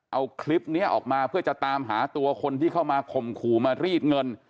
เอาคลิปนี้ออกมาเพื่อจะตามหาตัวคนที่เข้ามาข่มขู่มารีดเงิน